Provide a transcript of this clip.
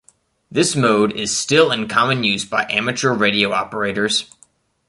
This mode is still in common use by amateur radio operators.